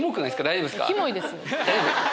大丈夫？